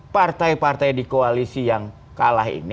partai partai di koalisi yang kalah ini